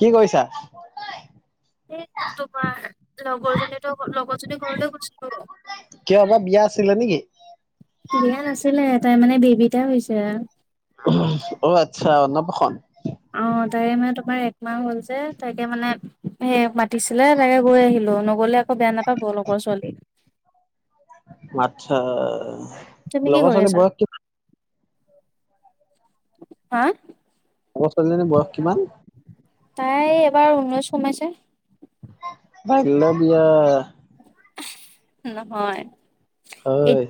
কি কৰিছা। এই তোমাৰ লগৰজনীক লগৰজনী ঘৰলে গৈছিলো। তেতিয় আমাৰ ়াব বা বিয়া আছিলে নেকি? বিয়া নাছিলে তাই মানে বেবিটা হৈছে আৰ অ' আচ্ছা অ নবখন অ' তাই মানে তোমাৰ একমাহ হ'ল যে তাকে মানে সেই পতিছিলে তাকে গৈ আহিলো নগলে আকৌ বেয়া নাপাব লগৰ ছোৱালী। মাতছ তুমি কি লগৰ কৰি ছোৱালীৰ আছা? বয়স কিমান? হা? লগৰ ছোৱালীজনীৰ বয়স কিমান? তাই এবাৰ ঊননৈছ কোমাইছে। ভাই বিয়া নহয়। হয়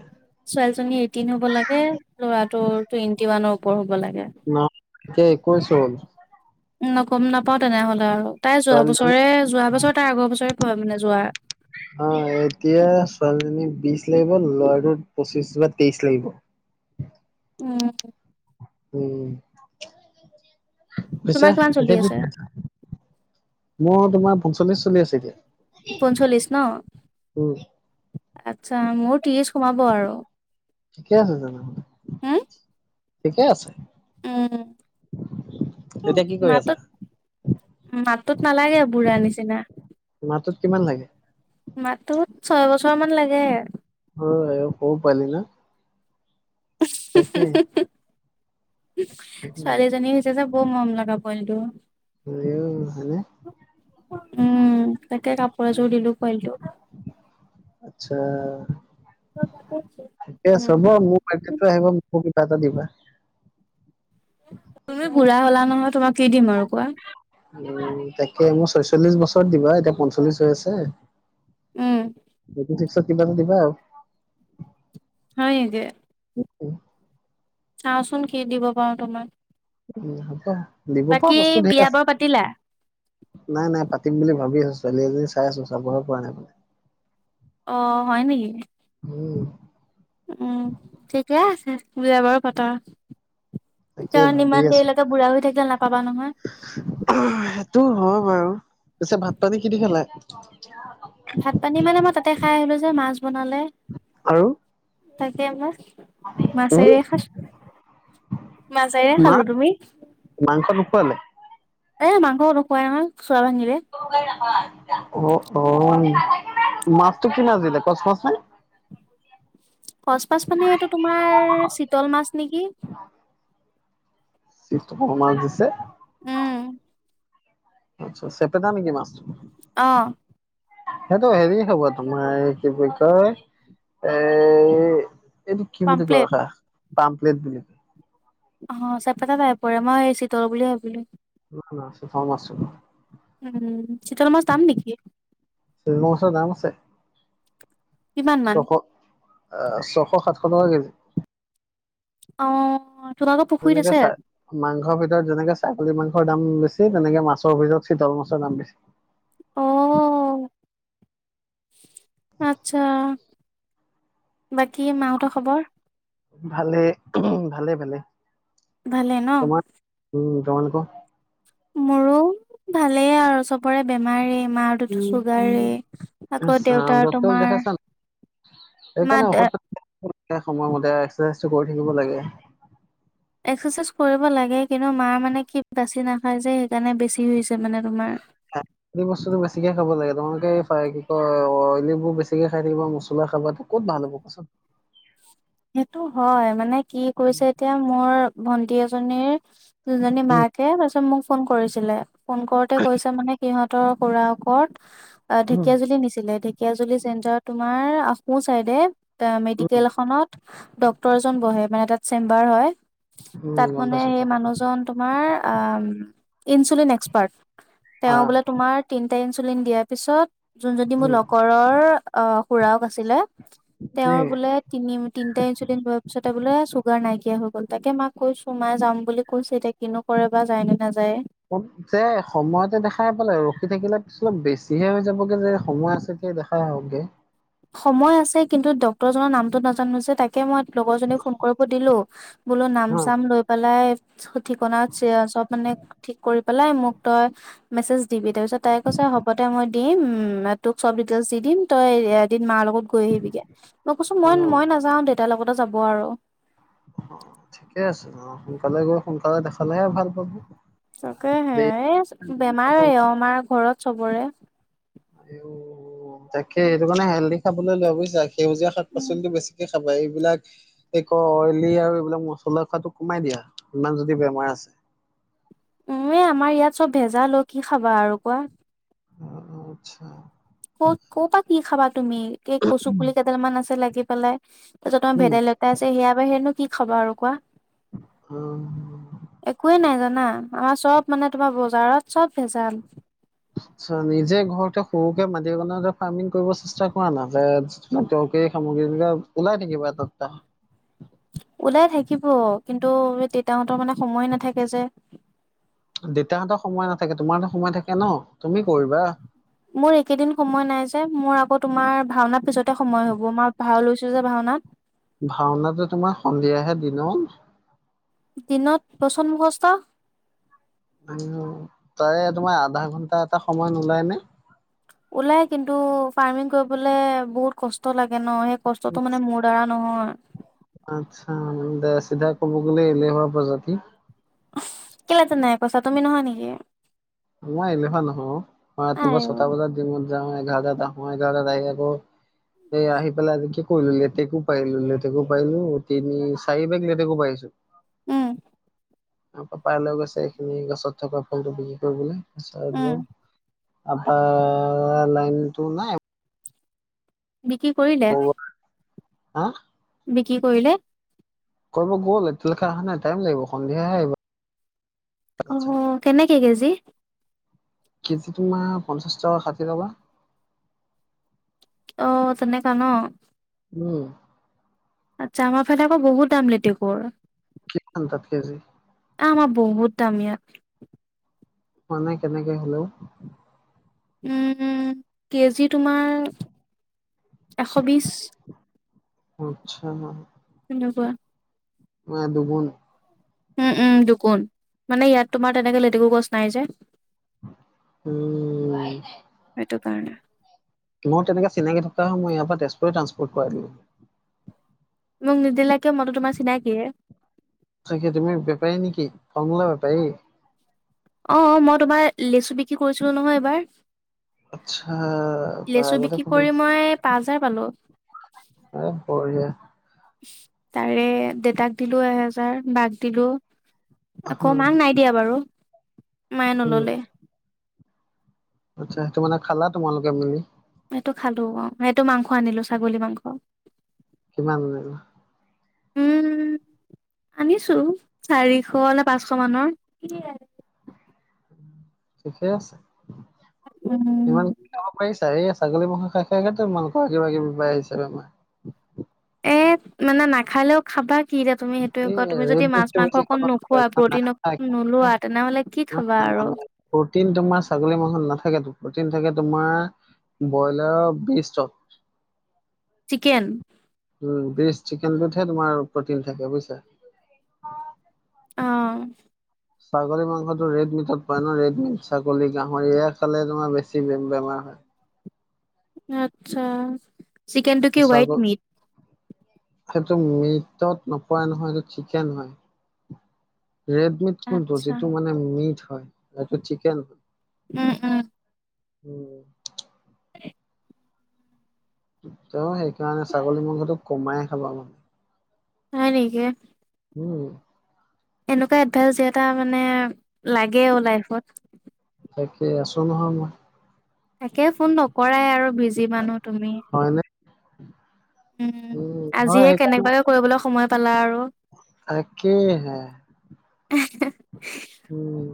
ছোৱালীজনী এইটিন হ'ব লাগে ল'ৰাটোৰ টুৱেন্টি ওৱানৰ ওপৰ হ'ব লাগে। াক কৈছো। ন গম নাপাও তেনেহলে আৰু তাই যোৱা ছোৱালীজনী বছৰে যোৱা বছৰ তাই আগৰ বছৰে মানে যোৱা। অ' এতিয়া ছোৱালীজনী বিশ লাগিব ল'ৰাটো পঁচিশ বা তেইশ লাগিব। [inaudible] উম। উম পিছে তোমাৰ কিমান চলি এতিয়া কি আছে? খাইছা? মোৰ তোমাৰ ফংচ্িশ চলি আছে এতিয়া। পঞ্চল্লিছ ন? উম আচ্ছা মোৰ এচ সোমাব আৰু। ঠিকে আছে, তেনেহলে হম ঠিকে আছে। উম, এতিয়া কি কৰি আছা? মাতুত মাতুত নালাগে বুঢ়া নিচিনা। [unintelligible] ত কিমান লাগে? মাতো ছয় বছৰ মান লাগে। অ' এ খৰু পোৱালি ন। তাকে। ছোৱালীজনী হৈছে যে বৌ মম লগা ব পোৱালিটো। উম হয়নে? উম তাকে কাপোৰ এযোৰ দিলো পোৱালিটো। এতিয়া উম চব মো [unintelligible] আহিব [unintelligible] কিবা এটা। দিবা। তুমি বুঢ়া হ'লা নহয় তোমাক কি দিম আৰু কোৱা। উম, তাকে মোৰ ছয়চল্লিশ বছৰত দিব এতিয়া পঞ্চল্লিশ হৈ আছে। উম [unintelligible] হয় নেকি? [unintelligible] চাওঁচোন কি দিব পাৰো তোমাক। উম, হব। দিব পৰা বাকী বস্তু ধেৰ বিয়া আছে, বাৰু পাতিলা নাই নাই পাতিম বুলি ভাবি আছো। ছোৱালী এজনী চাই আছো চাবহে পৰা নাই মানে। অ' হয় নেকি? [inaudible] উম ঠিকে আছে বিয়া বাৰু পাতা। তাকে কাৰণ ভাবি ইমান আছো দেৰিলৈকে বুঢ়া হৈ থাকিলে নাপাবা নহয়। সেইটো হয় বাৰু, পিছে ভাত পানী কি দি খালা? ভাত পানী মানে মই তাতে খাই আহিলো যে মাছ বনালে। আৰু তাকে ময় উম মাছেৰে খাছো মাছেৰে মাছ খালো তুমি? [unintelligible] এ, মাংস নোখুৱাই নহয়। চোৱা ভাঙিলে। [unintelligible] অ', অ' মাছটো কি মাছ দিলে কচ মাছ নে? সচ মাছ মানে এইটো তোমাৰ চিতল মাছ নেকি [unintelligible] মাছ দিছে উম আচ্ছা চেপেটা নেকি মাছটো? অ সেইটো হেৰি হ'ব তোমাৰ কি বুলি কয় এ এইটো কি বুলি কয় পামপ্লেট ৰখা পাম্প্লেট বুলি কয়। অ চেপেটা টাইপৰে মই এই চিতল বুলি ভাবিলো। ন না [unintelligible] ফৰ্মা [unintelligible] উম চিতল মাছ দাম নেকি? তে কিমান মান? ছশ সাতশ টকা কেজি। অ তোমালোকৰ পুখুৰীত যেনেকে আছে চা মাংসৰ ভিতৰত যেনেকে ছাগলী মাং [unintelligible] দাম বেছি তেনেকে মাছৰ অভিতৰত চিতল মাছৰ দাম বেছি। অ আচ্ছা। বাকী মাহঁতৰ খবৰ? ভালে ভালে ভালে। ভালে ন। তোমালোক? মোৰো ভালেই আৰু চবৰে বেমাৰে মাৰটোতো চুগাৰে। আকৌ ইছ ৰাম দেউতাৰ ডক্টৰক তোমাৰ দেখাইছা নে মা সেইকাৰণে ঔষধ সময়মতে এক্সাৰচাইজটো কৰি থাকিব লাগে। এক্সাৰচাইজ কৰিব লাগে কিন্তু মাৰ মানে কি বাচি নাখায় যে জেনে বেছি হৈছে মানে তোমাৰ। বেছিকৈ খাব লাগে তোমালোকে এই কি কয় অইলিবোৰ বেছিকৈ খাই থাকিবা মছলা খাবাত ক'ত ভাল হ'ব কচোন। সেইটো হয় মানে কি কৰিছে এতিয়া মোৰ ভন্টি এজনীৰ দুজনী উম, মাকে তাৰপিছত মোক ফোন কৰিছিলে ফোন কৰোতে কৈছে মানে সিহঁতৰ ফুৰা কত উম, ঢেকীয়া জুলি নিছিলে ধেকীয়াজুলি চেণ্টাৰত তোমাৰ আ সোঁ চাইডে তে উম। মেডিকেল এখনত ডক্তৰ এজন বহে মানে তাত চেম্বাৰ হয়। উম, তাত গম মানে পাইছো সেই কোৱা মানুহজন তোমাৰ আ ইনচুলিন এক্সপাৰ্ট। তেওঁ আহ বোলে তোমাৰ তিনটা ইনচুলিন দিয়াৰ পিছত যোনজনী মোৰ উম, লগৰৰ আহ খুৰাক আছিলে। তেওঁৰ উম। বোলে তিনি তিনিটা ইনচুলিন লোৱাৰ পিছতে বোলে চুগাৰ নাইকিয়া হৈ গ'ল। তাকে মাক কৈছো মায়ে যাম বুলি কৈছো এতিয়া কিনো কৰে বা যায়নে নাযায়। যে সময়তে দেখাই পালে ৰখি থাকিলে বেছিহে হৈ যাবগে যে সময় আছে। এই দেখাই আহক গে। সময় আছে কিন্তু ডক্তৰজনৰ নামতো নাজানো যে তা তাকে মই লগৰজনীক ফোন কৰিব দিলো বোলো নাম ন চাম লৈ পেলাই ঠিকনা আছে চব মানে ঠিক কৰি পেলাই মোক তই মেজ দিবি তাৰপিছত তাই কৈছে হ'ব দে মই দিম তোক চব ডিটেইলছ দি দিম তই এদিন মা লগত গৈ আহিবিগে মই কৈছো মই অ'। মই নাযাওঁ দেউতাৰ লগতে যাব আৰু। অ ঠিকে আছে অ সোনকালে গৈ সোনকালে দেখালেহে ভাল পাব। তাকে হে দেৰিকে বেমাৰে অ আমাৰ ঘৰত চবৰে। অও তাকে এইটো কাৰণে হেল্ডি খাবলৈ লোৱা বুজিছা। সেউজীয়া শাক পাচলিটো বেছিকে খাবা এই এইবিলাক এই ক অইলি আৰু এইবিলাক মচলা খোৱটো কমাই দিয়া ইমান যদি বেমাৰ আছে। [inaudible] উম, আমাৰ ইয়াত চব ভেজাল অ' কি খাবা আৰু কোৱা! অ', অ', আছা। ক'ৰপৰা কি খাবা? তুমি এই কচু পুলি কেইডাল মান আছে লাগি পেলাই, তাৰ পিছত তোমাৰ উম ভেদাইলতা আছে সেয়া বাহিৰেনে কি খবৰ আৰু কোৱা? উম। না আমাৰ চ'ব মানে তোমাৰ বজাৰত চ'ব ভেজাল আচ্ছা, নিজে ঘৰতে সৰুকে মাটি কনতে ফাৰ্মিং কৰিব চেষ্টা কৰা না যে সামগ্ৰী বিলাক ওলাই থাকিবা এটা দটা [unintelligible] ওলাই থাকিব। কিন্তু এই দেউতা হয় মানে সময় নাথাকে যে দেউতাহঁতৰ সময় নাথাকে, তোমাৰতো সময় থাকে ন তুমি কৰিবা। মোৰ এইকেদিন সময় নাই যে মোৰ আকৌ তোমাৰ ভাওনা পিছত এটা সময় হ'ব মই ভাও লৈছোঁ যে ভাওনাত। ভাওনাটো তোমাৰ সন্ধিয়াহে দিনৰ দিনত বচনমুখষ্টৰ তাৰে তোমাৰ আধা ঘন্টা এটা সময় নোলায় নে? ওলাই কিন্তু ফাৰ্মিং কৰিবলে বহুত কষ্ট লাগে ন এই কষ্টতটো মানে মোৰ দ্বাৰা নহয়। আচ্ছা, চিধা ক'ব গ'লে এলেহোৱা প্ৰজাতি। কেলেতেনেকে নাই কৈছা, তুমি নহয় নেকি? মই এলেহোৱা নহয়ো। মই ৰাতিপুৱা আৰু ছটা বজাত জিমত যাওঁ জাগা যাওঁ। মই জাগা যাইকিনে এই আহি পেলাই আজি কি কৰি ললি, লেটেকো পাইললোঁ, লেটেকো পাইলো তিনি চাৰি বেগ লেতেকো পাৰিছোঁ। উম। আম পাপাই লৈ গৈছে এইখিনি গছত থকা ফলটো বিক্ৰী উম কৰিবলে [unintelligible] আপা লাইনটো নাই বিক্ৰী কৰিলে হা বিক্ৰি কৰিলে কৰিব গ'ল এতিয়ালৈকে অহা নাই টাইম লাগিব সন্ধিয়াহে আহিব। অ কেনেকে কেজি? কেজি তোমাৰ পঞ্চাছ টকা ষাঠি টকা। অ তেনেকা ন উম। আচ্ছা, আমাৰফালে আকৌ বহুত দাম লেটেকুৰ কিমান তাত কেজি? এ আমাৰ বহুত দাম ইয়াত। মানে কেনেকে হলেও উম কেজি তোমাৰ এশ বিশ আচ্ছা নোপোৱা মানে দুগুন উম উম দুগুন মানে ইয়াত তোমাৰ তেনেকে লেতেকু গছ নাই যে উম সেইটো কাৰণে মোৰ তেনেকে চিনাকি থকা হয় মই ইয়াৰ পৰা তেজপুৰ ট্ৰান্সপ'ৰ্ট কৰাই দিলো মোক নিদিলে তাকে তুমি বেপাৰী নেকি কমলা বেপাৰী অ মই তোমাৰ লেচু বিক্ৰী কৰিছিলো নহয় এইবাৰ। আচ্ছা বা লেচু আগতে বিক্ৰী ক'ব কৰি মই পাঁচ হাজাৰ পালো। এ বঢ়িয়া। তাৰে দেউতাক দিলো এহেজাৰ, বাক দিলো। আকৌ উম মাক নাই দিয়া বাৰু। মায়ে উম নললে। আচ্ছা, সেইটো মানে খালা তোমালোকে মিলি। এইটো খালো অ' সেইটো মাংস আনিলো, ছাগলী মাংস। কিমান আনিলা? উম, আনিছো চাৰিশ নে পাঁচশ মানৰ। [unintelligible] ঠিকে আছে, উম ইমান কি খাব পাৰিছ তাৰে ছাগলী মাংস খাই খাইটো মাংস কিবা-কিবি বাঢ়িছিল আমাৰ। এ মানে নাখালেও খাবা। কিৰে তুমি সেইটোয়ে এই কোৱা তুমি যদি ৰেড মিটটো মাছ-মাংস বেছি অকণ খাব নোখোৱা প্ৰটিন অক নোলোৱা তেনেহলে কি খাবা? আৰু নাই, প্ৰটিন তোমাৰ ছাগলী মাংসত নাথাকেতো। প্ৰটিন থাকে তোমাৰ বইলাৰৰ বিষ্টত। চিকেন? উম, বেষ্ট চিকেনটোতহে তোমাৰ প্ৰটিন থাকে। বুইছা? অ ছাগলী মাংসটো ৰেডমিটত পায় ন, ৰেড মিট ছাগলী, গাহৰি এ খালে তোমাৰ বেছি বেমাৰ হয়। আচ্ছা, চিকেনটো কি ছাগ হোৱাইটমিট। সেইটো মিটত নোপোৱা নহয়, সেইটো চিকেন হয়। ৰেড মিট কোনটো আচ্ছা যিটো মানে মিট হয়, এইটো চিকেন। উম উম। উম। ত সেইকাৰণে ছাগলী মাংসটো কমাই খাবা [unintelligible] হয় নেকি উম এনেকুৱা এডভাইচ দিয়া এটা মানে লাগে ও লাইফত তাকে আছো নহয় মই তাকে ফোন নকৰাই আৰু বিজি মানুহ তুমি উম, উ হয় আজিয়ে সেইকাৰ কেনেবাকে কৰিবলৈ সময় পালা আৰু তাকে হে। উম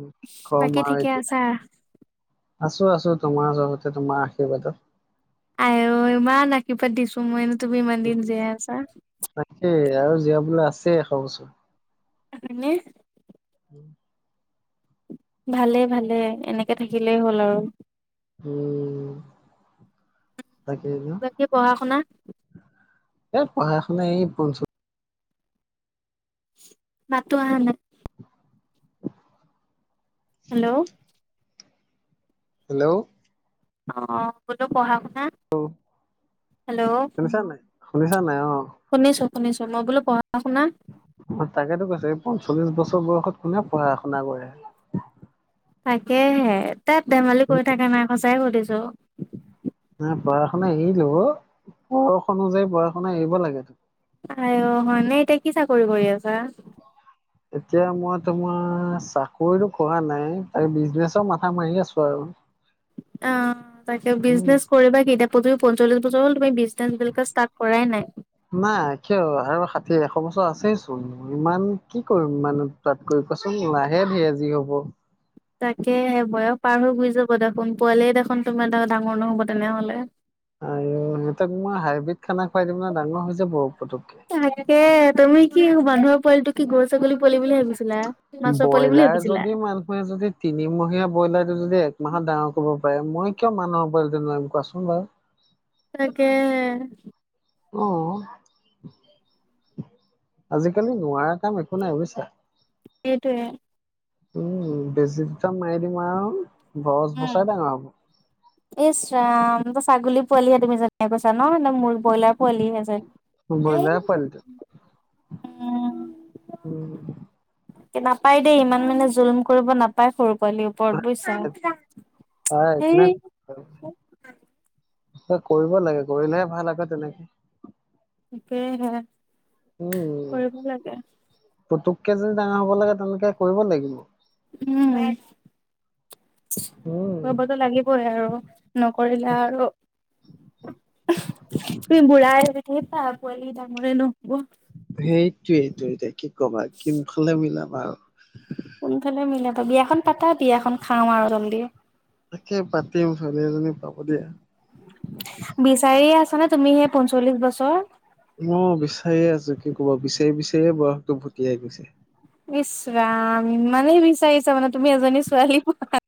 বাকী কমাৰ ঠিকে ত আছা? আছো আছো তোমাৰ চহতে তোমাৰ আশীৰ্বাদত। আ ইমান আশীৰ পাদ দিছো মই এ তুমি ইমান দিন যিয়াই আছা। তাকেই আৰু জীয়াবলৈ আছেই এশ বছৰ অানে? উম ভালেই ভালে এনেকে থাকিলেই হ'ল আৰু উম তাকেই ন বাকী পঢ়া শুনা এই পঢ়া শুনা এই বন চো মাতটো অহা নাই হেল্ল' হেল্ল' অ' কোলো পঢ়া শ হেল্ল', শুনিছা নাই শুনিছা নাই অ শুনিছো। শুনিছো মই বোলো শুনা অ' তাকেতো কৈছে পঞ্চল্লিশ বছৰ বয়সত কোনে পঢ়া শুনা কৰে? তাকেহে তাত ধেমালি কৰি থাকা নাই সচাই সুধিছো। ন পঢ়া শুনা এৰিলো অ' বয়স অনুযাৰি পঢ়া এৰিব লাগে। আ হয় নে এতিয়া কি চাকৰি কৰি আছা? এতিয়া মই তোমাৰ চাকৰিতটো কৰা নাই ত বিজনেচৰ মাথা মাৰি আছো আৰু। অ' তাকে উম বিজনেছ কৰিবা কেতিয়া প্ৰতি পঞ্চল্লিশ বছৰ ি বিজনে বি ষ্টাৰ কৰাই নাই। ছ বছৰ আছেই চোন ইমান কি কৰিম মানে তাতকৈ কোৱাচোন লাহে ধিৰে জি হব। তাকে বয়স পাৰ হৈ গুৈ যাব দেখোন পোৱালিয় দেখোন তোমাৰ ত ডাঙৰ নহ'ব তেনেহলে। সিহঁতাক মই হাইব্ৰীড খানা খুৱাই দিম নে ডাঙৰ হৈছে বহু পটুককে। তাকে তুমি কি মানুহৰ পোৱালিটো কি গৰু ছাগলী পোৱাল বুলি ভাবিছিলা? মাছৰ পোৱালি বুলি ব্ৰইলাৰ ভাবিছিলা? যদি মানুহে যদি তিনিমহীয়া ব্ৰইলাৰটো যদি একমাহত ডাঙৰ কৰিব ব মই কিয় মানুহৰ উপ কোৱাচোন বাৰু। তাকে। অ'। আজিকালি নোৱাৰা কাম একো নাই বুজিছা। সেইটোৱেই। উম বেজি দুটা মাৰি দিম আৰু গছ উম, বচাই ডাঙৰ হ'ব। ইচ ৰাম ছাগলী পোৱালিহে তুমি জেনেকে কৈছা ন একদ মোৰ ব্ৰইলাৰ পোৱলি হে যেন। ব্ৰইলাৰ পোৱালিটো উম নাপায় দেই ইমান মানে জুলম কৰিব নাপায় সৰু পোৱালি। বৰ বৈছা, তাৰ একো সেই নাই কৰিব লাগে কৰিলে ভাল আ তেনেকে। একেইহে, কৰিব লাগে। পুতুক কে যদি ডাঙৰ হব লাগে তেনেকে কৰিব লাগিব। উম। উম কৰিববতো লাগিবই আৰু নকৰিলে আৰু তুমি বুঢ়াইঠেই পা পোৱালি ডাঙৰে নহব। সেইটোয়েইটো এতিয়া কি ক'বা কিমফালে মিলাবা আৰু। কোনফালে মিল ত বিয়াখন পাতা বিয়াখন খাও আৰু জলদি। তাকে পাতিম ছোৱালী এজনী পাব দিয়া। বিচাৰিয়ে আছানে তুমি সেই পঞ্চল্লিশ বছৰ মই বিচাৰিয়ে আছো কি ক'ব বিচাৰি বিচাৰিয়ে বয়সটো ভুটিয়াই গৈছে ইচ্ ৰাম ইমানেই বিচাৰিছা মানে তুমি এজনী ছোৱালী পোৱা